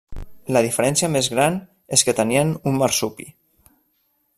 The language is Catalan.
La diferència més gran és que tenien un marsupi.